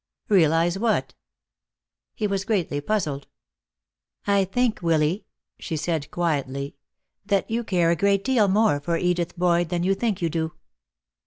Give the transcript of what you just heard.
"Realize what?" He was greatly puzzled. "I think, Willy," she said, quietly, "that you care a great deal more for Edith Boyd than you think you do."